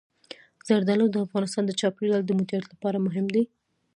زردالو د افغانستان د چاپیریال د مدیریت لپاره مهم دي.